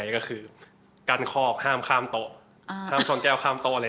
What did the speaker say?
ก็คือการกันขอกห้ามข้ามโต๊ะ